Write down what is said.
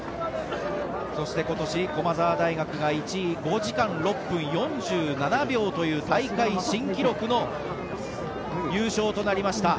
そして、今年駒澤大学が１位５時間６分４７秒という大会新記録の優勝となりました。